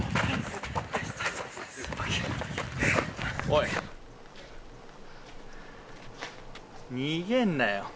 ・おい・逃げんなよ